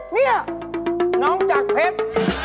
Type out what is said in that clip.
นี่น้องจากเพชร